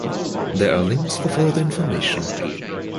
There are links for further information.